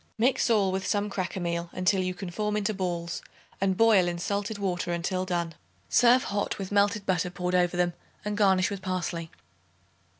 Mix all with some cracker meal until you can form into balls and boil in salted water until done. Serve hot with melted butter poured over them, and garnish with parsley.